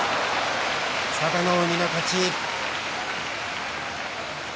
佐田の海の勝ち。